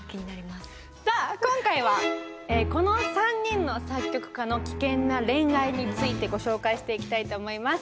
さあ今回はこの３人の作曲家の危険な恋愛についてご紹介していきたいと思います。